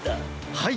はい！